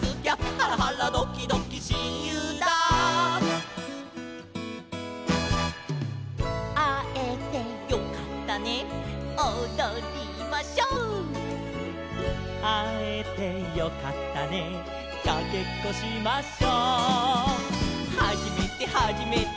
「ハラハラドキドキしんゆうだ」「あえてよかったねおどりましょう」「あえてよかったねかけっこしましょ」「はじめてはじめて」